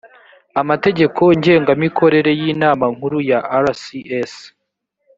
amategeko ngengamikorere y inama nkuru ya rcs